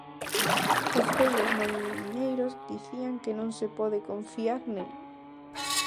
Os vellos mariñeiros dicían que non se pode confiar nel.